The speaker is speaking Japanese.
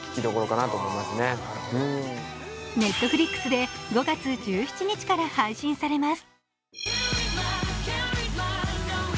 Ｎｅｔｆｌｉｘで５月１７日から配信されます。